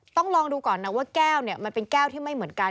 ต้องลองดูก่อนนะว่าแก้วเนี่ยมันเป็นแก้วที่ไม่เหมือนกัน